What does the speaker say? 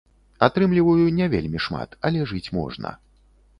Атрымліваю не вельмі шмат, але жыць можна.